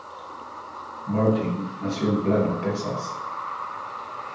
Martin nació en Plano, Texas.